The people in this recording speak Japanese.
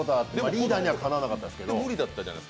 リーダーにはかなわなかったですけど。